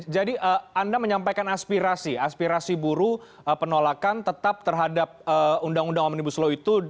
jadi anda menyampaikan aspirasi aspirasi buruh penolakan tetap terhadap undang undang omnibus law itu